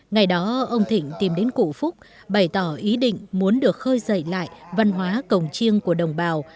ngày đó ông thịnh tìm đến củ phúc bày tỏ ý định muốn được khơi dậy lại văn hóa cổng chiêng của đồng bào